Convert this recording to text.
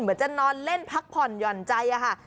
เหมือนจะนอนเล่นพักผ่อนหย่อนใจค่ะ